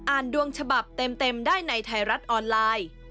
ดวงฉบับเต็มได้ในไทยรัฐออนไลน์